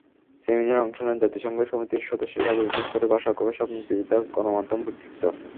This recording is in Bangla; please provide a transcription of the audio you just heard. সেমিনারে অংশ নেন জাতিসংঘ সমিতির সদস্যসহ বিভিন্ন স্তরের ভাষা গবেষক, মুক্তিযোদ্ধা, গণমাধ্যম ব্যক্তিত্ব।